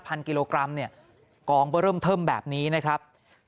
พันกิโลกรัมเนี่ยกองก็เริ่มเทิมแบบนี้นะครับ